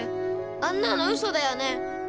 あんなのウソだよね！？